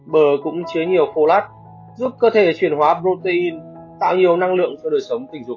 bờ cũng chứa nhiều polat giúp cơ thể chuyển hóa protein tạo nhiều năng lượng cho đời sống tình dục